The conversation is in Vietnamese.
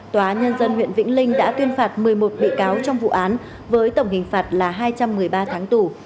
tòa nhân dân huyện vĩnh linh đã tuyên phạt một mươi một bị cáo trong vụ án với tổng hình phạt là hai trăm một mươi ba tháng tù